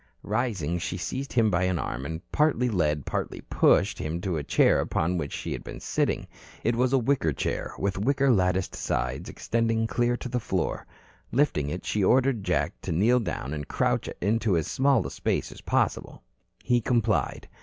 Rising, she seized him by an arm and partly led, partly pushed him to the chair upon which she had been sitting. It was a wicker chair, with wicker latticed sides extending clear to the floor. Lifting it, she ordered Jack to kneel down and crouch into as small a space as possible. He complied.